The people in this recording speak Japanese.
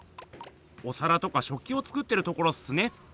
おさらとかしょっきを作ってるところっすね。